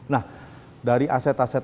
nah dari aset aset